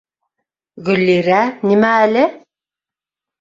Гөллирә, нимә әле?